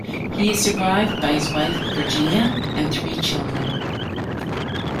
He is survived by his wife Virginia and three children.